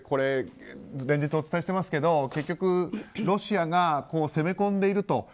連日お伝えしていますけど結局、ロシアが攻め込んでいると。